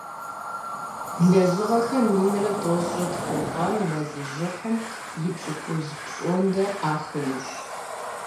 Лэжьыгъэхэр минитӏрэ тӏощӏрэ тху гъэм мэлыжьыхьым и пщыкӀуз пщӀондэ Ӏахынущ.